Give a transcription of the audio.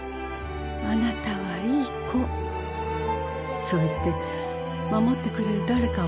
あなたはいい子”そう言って守ってくれる誰かを求めている」